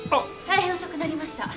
大変遅くなりました。